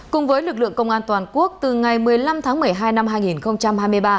cùng với lực lượng công an toàn quốc từ ngày một mươi năm tháng một mươi hai năm hai nghìn hai mươi ba